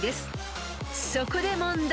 ［そこで問題］